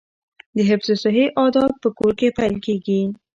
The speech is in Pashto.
د حفظ الصحې عادات په کور کې پیل کیږي.